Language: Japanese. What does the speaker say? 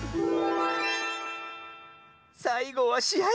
さいごはしあい！